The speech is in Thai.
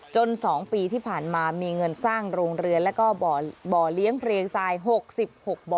๒ปีที่ผ่านมามีเงินสร้างโรงเรือนแล้วก็บ่อเลี้ยงเพลงทราย๖๖บ่อ